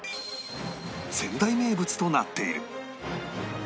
仙台名物となっている